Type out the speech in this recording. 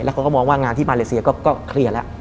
เขาก็มองว่างานที่มาเลเซียก็เคลียร์แล้ว